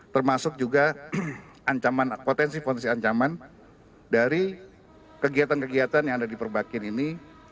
termasuk juga potensi potensi ancaman dari kegiatan kegiatan yang ada di perbakin ini